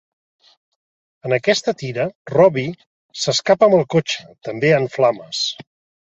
En aquesta tira, Robbie s'escapa amb el cotxe, també en flames.